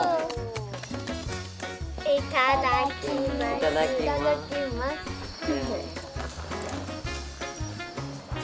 いただきます。